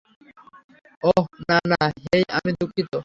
অহ, না, না হেই আমি দুঃখিত।